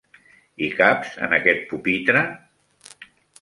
Hi caps, en aquest pupitre?